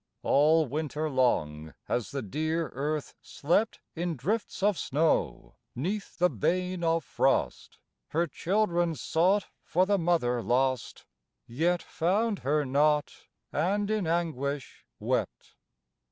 All winter long has the dear Earth slept In drifts of snow, 'neath the bane of frost, Her children sought for the Mother lost, Yet found her not, and in anguish wept.